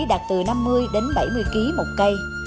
đạt từ năm mươi đến bảy mươi kg một cây